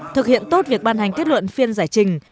thực hiện tốt việc ban hành kết luận phiên giải trình